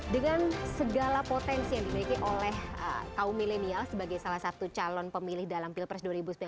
dengan segala potensi yang dimiliki oleh kaum milenial sebagai salah satu calon pemilih dalam pilpres dua ribu sembilan belas